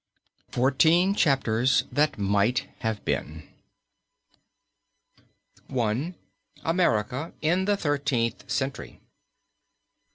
TWENTY SIX CHAPTERS THAT MIGHT HAVE BEEN. I. AMERICA IN THE THIRTEENTH CENTURY.